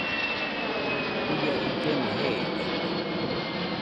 Juia illeno jeeidaite